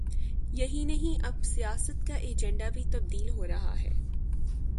یہی نہیں، اب سیاست کا ایجنڈا بھی تبدیل ہو رہا ہے۔